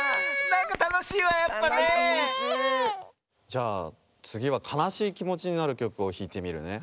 じゃあつぎはかなしいきもちになるきょくをひいてみるね。